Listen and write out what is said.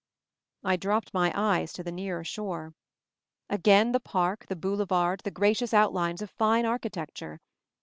I dropped my eyes to the nearer shore. 70 MOVING THE MOUNTAIN Again the park, the boulevard, the gracious outlines of fine architecture.